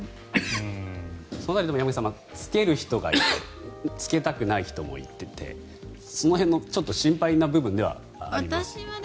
そうなると、山口さん着ける人がいて着けたくない人もいてその辺、心配な部分ではありますね。